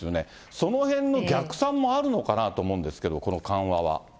そのへんの逆算もあるのかなと思うんですけど、この緩和は。